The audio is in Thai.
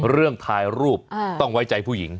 เรื่องถ่ายรูปต้องไว้ใจผู้หญิง